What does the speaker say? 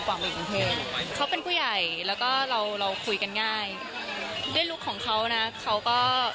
กังวลในเรื่องเกษตรศักดิ์ความก็ชูของเขาไหมครับ